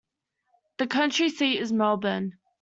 The county seat is Melbourne.